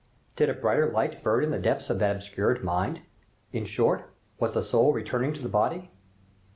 Did a brighter light burn in the depths of that obscured mind? In short, was the soul returning to the body?